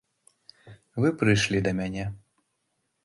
Вы прыйшлі да мяне.